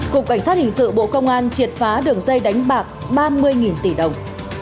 cục cảnh sát hình sự bộ công an triệt phá đường dây đánh bạc ba mươi tỷ đồng